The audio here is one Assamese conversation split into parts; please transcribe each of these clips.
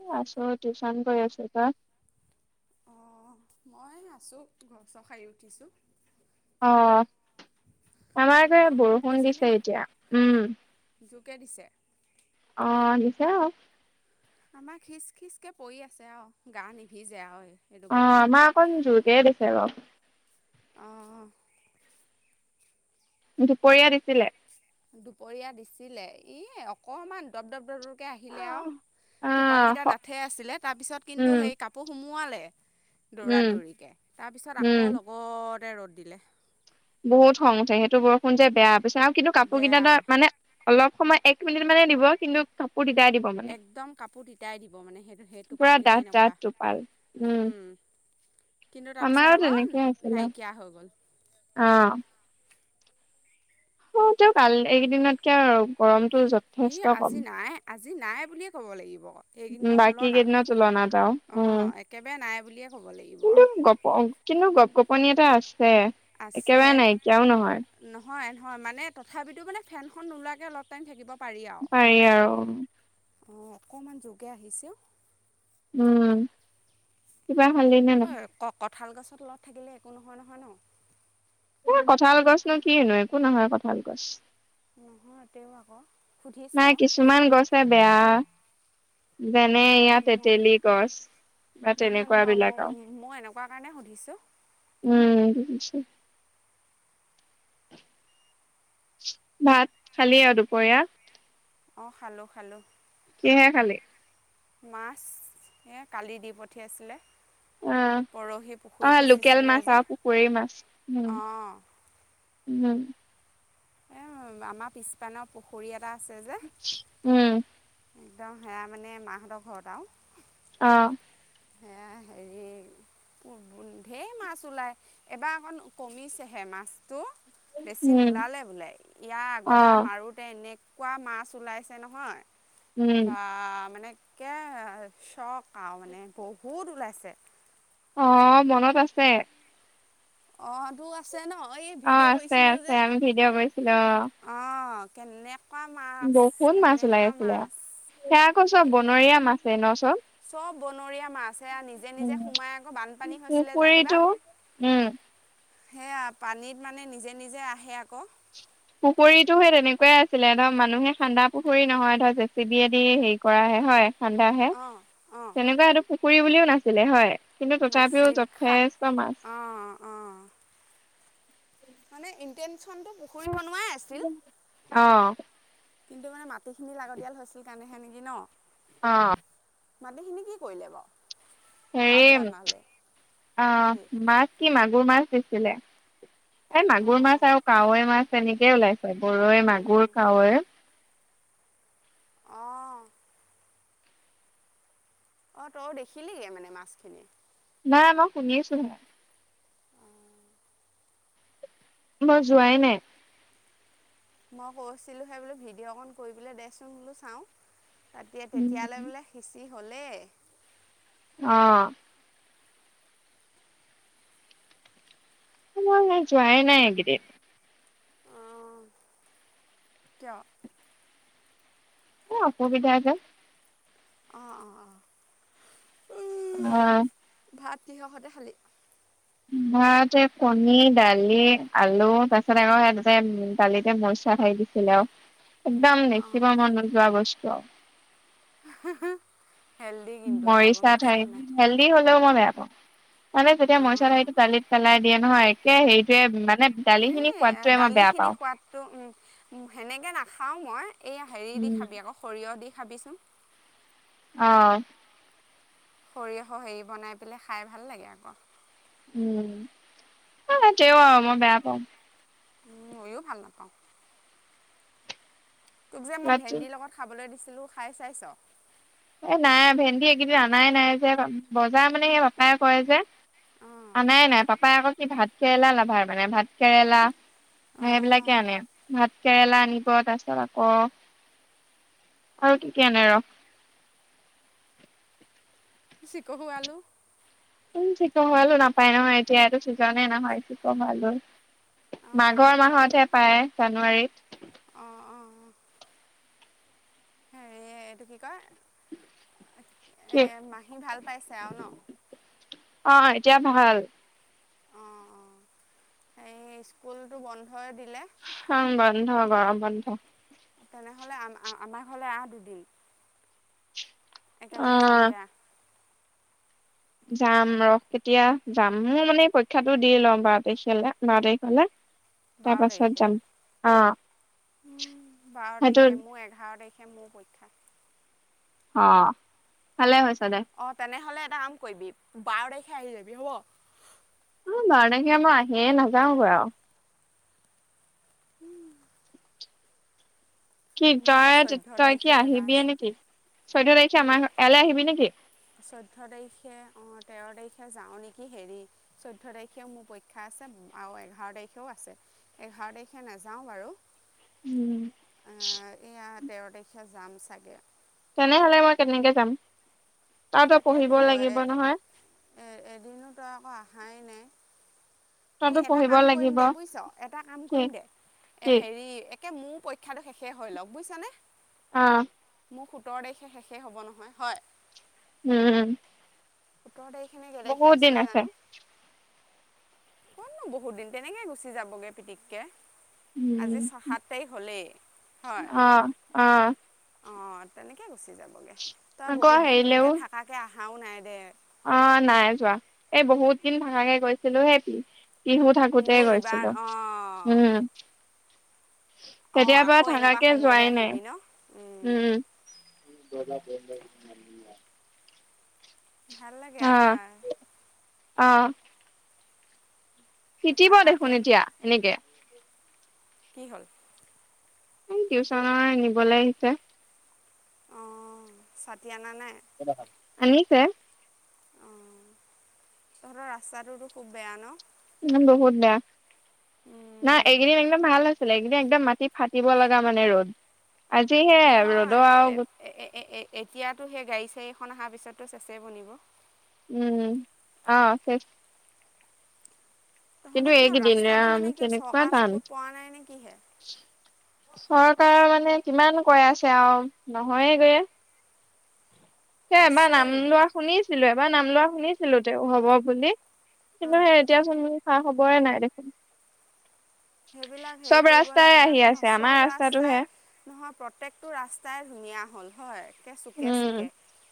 এ আছো টিউছন কৰি আছোঁ, তই? অঁ, মই আছোঁ ঘৰ চৰ শাৰি উঠিছোঁ। অঁ, আমা যে বৰষুণ দিছে এতিয়া, উম। যোৰকে দিছে। অঁ দিছে অ। আমাৰ খিচ খিচকৈ পৰি আছে আও, গা নিভিজে আৰু। এইটো অ বৰষুণত। আমাৰ অকণ জোৰকে দিছে বাও। অঁ। দুপৰীয়া দিছিলে। দুপৰীয়া দিছিলে এ অকমান দপ দপ দপ দ। আহিলে আৰু অ হ টোপালকেইটা ডাঠে আছিলে, তাৰপিছত উম কিন্তু সেই কাপোৰ সুমোৱালে। দৌৰা উম দৌৰিকে তাৰপিছত উম আকৌ লগতে ৰ'দ দিলে। বহুত খং উঠে সেইটো বৰষুণ যে বেয়া, পিছে আৰু কিন্তু কাপোৰ কেইটা বেয়া এটা মানে অলপ সময় এক মিনিট মানে দিব কিন্তু কাপোৰ তিতাই দিব। মানে একদম কাপোৰ তিতাই দিব মানে সেইটো সেই পুৰা ডাঠ টোপালকেইটা ডাঠ এনেকুৱা। টোপাল উম। কিন্তু আমাৰো তাৰপিছত আকৌ নাইকিয়া হৈ গ'ল। অঁ। অ তেওঁ কাল এইকেইদিনতকে আৰু গৰমতটো য এই আজি নাই আজি নাই বুলিয়ে ক'ব লাগিব। উম, এইকেইদিন বাকী তুলনাত কেইদিনৰ তুলনাত আৰু উম অঁ একেবাৰে নাই বুলিয়ে ক'ব লাগিব। কিন্তু গপ কিন্তু গপ গপনি এটা আছে। আছে। একেবাৰে নাইকিয়াও নহয় নহয় নহয় মানে তথাপিতো মানে ফেনখন নোলোৱাকে অলপ টাইম থাকিব পাৰি আও, অঁ অকণমান যোৰকে আহিছে ঔ। উম, কিবা খালি নে অ নাই? ঐ ক কঁঠাল গছৰ লগত থাকিলে একো নহয় নহয় ন? এ কঁঠাল গছনো কি নো একো নহয় কঁঠাল গছ। নহয় তেওঁ আকৌ সুধিছোঁ নাই আও। কিছুমান গছে বেয়া, যেনে আৰু এইয়া মই তেতেলী গছ। বা নহয় তেনেকুৱা নহয় বিলাক মই আৰু মই এনেকুৱা কাৰণে সুধিছোঁ। উম। ভাত খালি আৰু দুপৰীয়া? অঁ অঁ খালোঁ খালোঁ। কিহেৰে খালি? মাছ এই কালি দি পঠিয়াইছিলে। অ পৰহি অ পুখুৰী লোকেল সিঁচিছিলে মাছ যে, আৰু পুখুৰীৰ মাছ উম অঁহ। উম এ আমাৰ পিছপানৰ পুখুৰী এটা আছে যে। উম। একদম সেয়া মানে মাহঁতৰ ঘৰত আও। অ। সেয়া হেৰি ধেৰ মাছ ওলায় এটা অকণ কমিছেহে মাছটো। বেছি উম নোলালে বোলে [inaudible] লাই ইয়া অ আগৰবাৰ মাৰো এনেকুৱা মাছ ওলাইছে নহয় উম বা মানে একে চখ খাওঁ মানে বহুত ওলাইছে। অ মনত আছে, অ টো আছে ন এই অ ভিডিঅ' আছে কৰিছিলো আছে যে, আমি ভিডিঅ' কৰিছিলো অ অঁ কেনেকুৱা মাছ, বহুত মাছ ওলাই কেনেকুৱা আছিলে মাছ। সেয়া আকৌ সব বনৰীয়া মাছে ন চপ সব বনৰীয়া মাছে এয়া নিজ নিজে নিজে উম সোমাই আকৌ বানপানী হৈছিলে যে সেইবা পুখুৰীটো উম সেয়া পানীত মানে নিজে নিজে আহে আকৌ, পুখুৰীটো সেই তেনেকুৱাই আছিলে ধৰ মানুহে খান্দা পুখুৰী নহয় ধৰ জে চি বিয়ে দি হেৰি কৰাহে হয়। ঠাণ্ডাহে, অঁ অঁ তেনেকুৱা এইটো পুখুৰী বুলিও নাছিলে হয় কিন্তু তথাপিও নাছিল খা যথেষ্ট মাছ অঁ অঁ মানে ইনটেনচন টো পুখুৰীব নোৱাৰে [unintelligible] আহ [inaudible] কিন্তু মানে মাটিখিনি লাগতিয়াল হৈছিল কাৰণেহে নেকি ন অ মাটিখিনি কি কৰিলে বাৰু হেৰি ঢাপ বনালে অ নেকি মাছ কি মাগুৰ মাছ দিছিলে এই মাগুৰ মাছ অঁ আৰু কাৱৈ মাছ এনেকেই ওলাইছিল গৰৈ উম, মাগুৰ কাৱৈ অঁ অঁ তই দেখিলিগৈ মানে মাছখিনি নাই মই শুনি আছো অঁ [inaudible] মই যোৱাই নাই [inaudible] মই কৈছিলোঁহে বোলো ভিডিঅ' অকণ কৰি পেলাই দেচোন বোলো চাওঁ তা তেতিয়ালৈ বোলে সিঁচি হ'লেই অ মই নাই জোয়াই নাই এই গিদিন অ কিয় অ অসুবিধা যে অ অ অ উম অ ভাত কৃহকতে খালি ভাত এ কণী দালি আলু তাৰ পিছত আকৌ সতে দালিতে মচ খাই দিছিলে আৰু অঁ একদম [inaudible] নোযোৱা বস্তু [unintelligible] হেল্ডি কিন্তু আকৌ গম মৰিচা পাইছা ঠাৰি নে নাই হেল্ডি হলেও মই বেয়া পাওঁ মানে যেতিয়া অঁ মইচাহিটো দালিত পেলাই দিয়ে নহয় একে হেৰিটোৱে মানে দালিখিনি সোৱাদতোৱে মই বেয়া পাওঁ তো সেনেকৈ নাখাওঁ মই এই হেৰি দি উম খাবি আকৌ সৰিয়হ দি খাবিচোন অ, সৰিয়হ হেৰি বনাই পেলাই, খাই ভাল লাগে আকৌ। উম, তেওঁ আৰু মই বেয়া পাওঁ। উম, ময়ো ভাল নাপাওঁ। তোক যে মই ৰাতি ভেন্দিৰ লগত খাবলৈ দিছিলোঁ, খাই চাইছ? এই নাই, ভেন্দি এইকেইদিন অনাই নাই যে, বজাৰ মানে সেই পাপাই কৰে যে। অঁ আনাই, নাই, পাপাই আকৌ, কি ভাত কেৰেলা, লাভাৰ মানে, ভাত কেৰেলা। সেইবিলাকে অঁ আনে। ভাত কেৰেলা আনিব, তাৰ পিছত আকৌ আৰু কি কি আনে ৰহ। চিকহু আলু। উম, চিকহু আলু নাপায় নহয়, এতিয়া ছিজনে নহয়, চিকহু আলু। অঁ মাঘৰ মাহতহে পায়, জানুৱাৰীত। অ, অ, অ, হেৰি এইটো কি কয়, কি এই মাহী ভাল পাইছে আৰু ন। অ, এতিয়া ভাল। অ, অ, হে, স্কুলটো বন্ধই দিলে। হ, বন্ধ গৰম বন্ধ। তেনেহ'লে আ-আমাৰ ঘৰলে, আঠ দিন, অ একেলগে যামগে আহ। যাম ৰস কেতিয়া যাম, মোৰ মানে পৰীক্ষাটো দি লওঁ বাৰ তাৰিখে, বাৰ তাৰিখলে। বাৰ তাৰিখে তাৰপাছত যাম। অহ, বাৰ তাৰিখে, মোৰ এঘাৰ তাৰিখে, মোৰ পৰীক্ষা। অ, ভালে হৈছে দে। অ, তেনেহ'লে এটা কাম কৰিবি, বাৰ তাৰিখে আহি যাবি হ'ব। ই, বাৰ তাৰিখে আহিয়ে, মই নাযাওঁ গৈ আৰু। কি মোৰ আকৌ তই, চৈধ্য তই কি তাৰিখেও এটা আহিবি আছে নেকি, চৈধ্য তাৰিখে না আমাৰ ইয়ালৈ আহিবি নেকি? চৈধ্য তাৰিখে, অ, তেৰ তাৰিখে যাওঁ নেকি, হেৰি চৈধ্য তাৰিখেও মোৰ পৰীক্ষা আছে, আৰু এঘাৰ তাৰিখেও আছে। এঘাৰ তাৰিখে, নাযাওঁ বাৰু। উম, এয়া তেৰ, তাৰিখে যাম চাগৈ। তেনেহ'লে মই কেনেকে যাম, তাৰ পৰা তই পঢ়িব লাগিব তাকেতো নহয়। এদিনো, তই আকৌ আহাই নাই। তইতো এই এটা পঢ়িব কাম কৰিম লাগিব দে বুজিছ, এটা কাম কি কৰিম দে, এ কি হেৰি তাকে, মোৰ পৰীক্ষাতটো শেষে হৈ লওকঁ বুজিছানে। অ, মোৰ সোতৰ তাৰিখে শেষেই হ'ব নহয়, হয়। উম, সোতৰ তাৰিখে‌ নে কেই তাৰিখে বহুত দিন আছিলে, আছে জানোঁ। [inaudible] নো, বহুত দিন তেনেকে গুচি যাবগৈ পিতিককে। আজি উম ছ, সাত তাৰিখ হ'লেই, হয়। অ অ অ, তেনেকে গুচি যাবগৈ। তই আকৌ বহুত দিন হেৰিলেও এনেকে থাকাকে অহাও নাই দে। অ, নাই যোৱা, এই বহুত দিন থকাকে গৈছিলো হে পিহু থাকোতে মোৰ ইবাৰ গৈছিলো, অঁ উম, অঁ তেতিয়াৰ পৰা আকৌ এনেকুৱা থাকাকে সময়তে যোৱাই নাই। আহিবি ন উম, [unintelligible] ভাল লাগে আৰু হয়। অঁ। তই তিতিব দেখোন থাকাকৈ এতিয়া এনেকে। কি হ'ল? টিউচনৰ নিবলে আহিছে। অঁ ছাতি আনা নাই? আনিছে। অঁ তহঁতৰ ৰাস্তাটোতো খুব বেয়া ন? উম বহুত বেয়া। নাই এইকেদিন একদম ভাল হৈছিলে এইকেদিন একদম মাটি ফাটিব লগা মানে ৰ'দ। আজিহে ৰ'দৰ আৰু এই এই এতিয়াতো সেই গাড়ী চাড়ী এখন অহাৰ পিছততো চেচেই বনিব। উম' অ চেছ। কিন্তু তহঁতৰ কিয় এইকেইদিন ৰাস্তাটো ৰাম মানে কিয় কেনেকুৱা চৰকাৰৰ টান। চকুত পৰা নাই নে কিহে? চৰকাৰৰে মানে কিমান কৈ আছে আৰু নহয়ে গৈয়ে। সেই এবাৰ নাম আচৰিত লোৱা শুনিছিলোঁ। এবাৰ নাম লোৱা শুনিছিলোঁ তে হব বুলি অঁ কিন্তু সেই এতিয়াচোন কোনো খা খবৰেই নাই দেখোন। সেইবিলাক হেৰি চব কৰিব ৰাস্তাই লাগে আহি আক ন আছে আমাৰ চব ৰাস্তাই ৰাস্তাটোহে নহয় প্ৰত্যেকটো ৰাস্তাই ধুনীয়া হ'ল হয় চুকে উম চুকে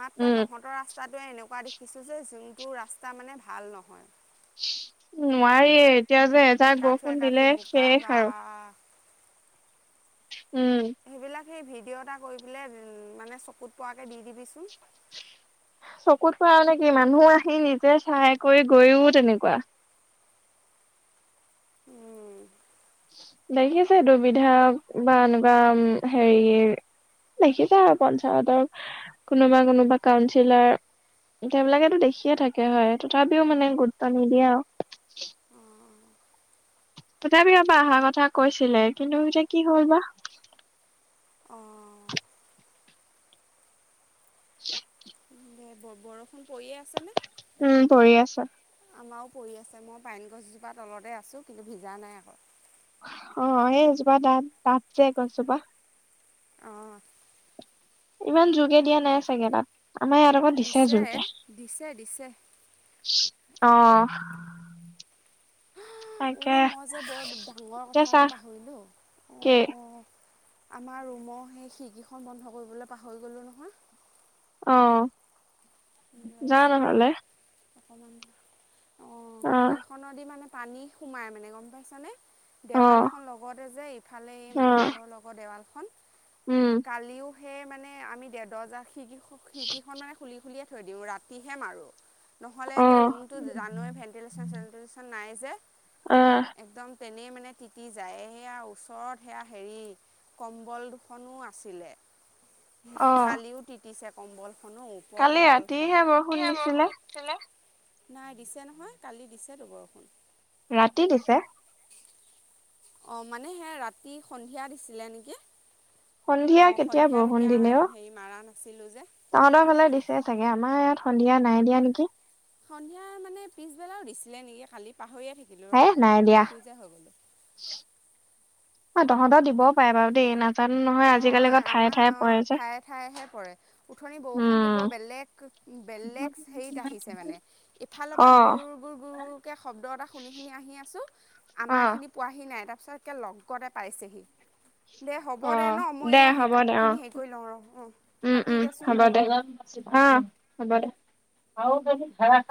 মাত্ৰ তহঁতৰ উম তহঁতৰ ৰাস্তাটোৱে এনেকুৱা দেখিছোঁ যে যোনটো ৰাস্তা মানে ভাল নহয়। নোৱাৰিয়েই এতিয়া যে এজাক বৰষুণ দিলে শেষ আৰু। অঁ। উম। সেইবিলাক সেই ভিডিঅ' এটা কৰি পেলাই মানে চকুত পৰাকৈ দি দিবিচোন। চকুত পৰা মানে কি মানুহ আহি নিজে চাই কৰি গৈও তেনেকুৱা। উম। দেখিছে এইটো বিধায়ক বা এনেকুৱা হেৰিয়ে দেখিছে আৰু পঞ্চায়তৰ কোনোবা কোনোবা কাউঞ্চিলাৰ। নেতা বিলাকে ত দেখিয়ে থাকে হয় তথাপিও মানে গুৰুত্ব নিদিয়ে আৰু। তথাপিও এবাৰ অহা কথা কৈছিলে কিন্তু এতিয়া কি হল বা। অঁ। অঁ [inaudible] এ ব বৰষুণ পৰিয়ে আছে নে? উম পৰি আছে। আমাৰো পৰি আছে মই পাইন গছজোপাৰ তলতে আছোঁ কিন্তু ভিজা নাই অকল। অ এই এইজোপা ডাঠ ডাঠ যে গছজোপা। অঁ ইমান জোৰকে দিয়া নাই চাগে তাত আমাৰ ইয়াত আকৈ দিছে জোৰকে। দিছে দিছে অ। তাকে অঁ মই যে বৰ ডাঙৰ এতিয়া কথা এটা চাহ পাহৰিলোঁ অঁ কি অ। আমাৰ ৰুমৰ সেই খিৰিকীখন বন্ধ কৰিবলৈ পাহৰি গ'লোঁ নহয়। অ যা ৰচোন বাৰু নহলে। [inaudible] অ। খনদি মানে পানী সোমাই মানে গম পাইছা নে। অ দেৱালখন লগতে যে ইফালে এই অ মানুহঘৰৰ লগত দেৱালখন উম কালিও সেই মানে আমি দে দৰ্জা-খিৰিকী খিৰিকীখন মানে খুলি খুলিয়ে থৈ দিওঁ, ৰাতিহে মাৰো। নহ'লে অ একে ৰুমটো জানৱে ভেণ্টিলেশ্যন চেণ্টিলেশ্যন নাই যে আহ একদম। তেনেই মানে তিতি যায় সেয়া ওচৰত সেয়া হেৰি কম্বল দুখনো আছিলে। অ কালিও তিতিছে কম্বল খনো ও ওপৰৰ কালি কম্বল খন। ৰাতিহে বৰষুণ এয়া দিছিলে বৰষুণ কেলে নাই দিছে নহয় কালি দিছেটো বৰষুণ। ৰাতি দিছে। অ' মানে সে ৰাতি সন্ধিয়া দিছিলে নেকি। সন্ধিয়া অ' কেতিয়া সন্ধিয়া বৰষুণ তেতিয়া দিলে অ হেৰি মাৰা নাছিলো যে। তহঁতৰ ফালে দিছে চাগে। আমাৰ ইয়াত সন্ধিয়া নাই দিয়া নেকি। সন্ধিয়া মানে পিছবেলাও দিছিলে নেকি, কালি পাহৰিয়ে থাকিলোঁ হে ৰ! নাই দিয়া কনফিউজে হৈ গ'লোঁ। অ' তহঁতৰ দিবও পাৰে বাৰু দেই। নাজানো নহয় আজিকালি অঁ আকৌ ঠায়ে আমাৰ ঠায়ে পৰে অ' যে ঠায়ে ঠায়েহে পৰে। উঠনি বৰষুণটো উম বৰ বেলেগ বেলেগ হেৰিত আহিছে মানে ইফালৰ পৰা অ গুৰ গুৰকে শব্দ এটা শুনি আহি আছো, অ আমাৰ এইখিনি পোৱাহি নাই তাৰপিছত লগতে পাইছেহি। দে হ 'ব অ দে ন মই দে এইয়া সেই হ'ব দে অ কাপোৰখিনি হেৰি কৰি লওঁ ৰ! অঁ উম উম কাটি দেচোন। [unintelligible] অ' হ'ব দে।